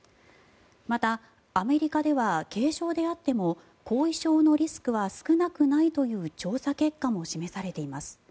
また、アメリカでは軽症であっても後遺症のリスクは少なくないという調査結果も示されています。